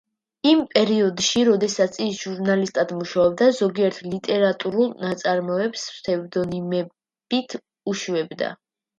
იმ პერიოდში, როდესაც ის ჟურნალისტად მუშაობდა, ზოგიერთ ლიტერატურულ ნაწარმოებს ფსევდონიმებით უშვებდა.